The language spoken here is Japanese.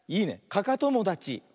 かかともだち。